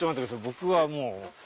僕はもう。